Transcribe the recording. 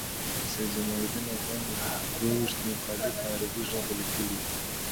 سید جمال الدین افغان دوه ویشت مقالي په عربي ژبه لیکلي دي.